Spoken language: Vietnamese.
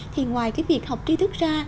thì ngoài cái việc học tri thức ra